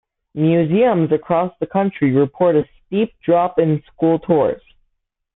Museums across the country report a steep drop in school tours.